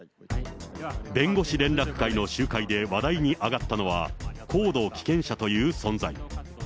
弁護士連絡会の集会で話題に上がったのは、高度危険者という存在。